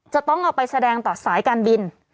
จะต้องเอาไปแสดงต่อสายการบิน